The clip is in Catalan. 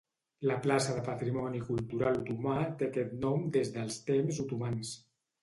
La plaça de patrimoni cultural otomà té aquest nom des dels temps otomans.